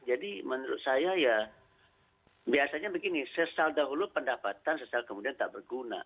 jadi menurut saya ya biasanya begini sesal dahulu pendapatan sesal kemudian tak berguna